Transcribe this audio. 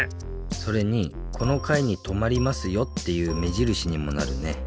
それに「このかいに止まりますよ」っていう目じるしにもなるね。